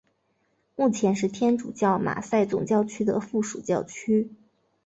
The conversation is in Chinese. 目前是天主教马赛总教区的附属教区。